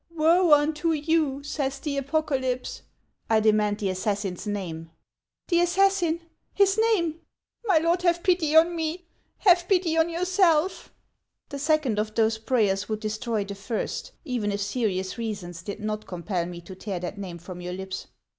"' Woe unto you !' says the Apocalypse —"" I demand the assassin's name !"" The assassin — his name ? My lord, have pity on me ; have pity on yourself !"" The second of those prayers would destroy the first, even if serious reasons did not compel me to tear that name from your lips.